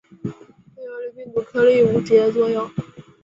对游离病毒颗粒无直接作用。